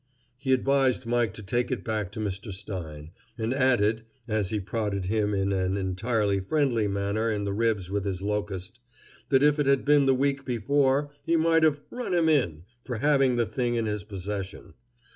He advised Mike to take it back to Mr. Stein, and added, as he prodded him in an entirely friendly manner in the ribs with his locust, that if it had been the week before he might have "run him in" for having the thing in his possession.